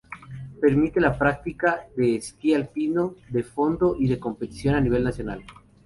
Permite la práctica de esquí alpino, de fondo y de competición de nivel nacional.